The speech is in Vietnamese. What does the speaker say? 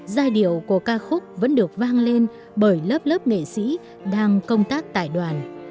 giai điệu của ca khúc vẫn được vang lên bởi lớp lớp nghệ sĩ đang công tác tại đoàn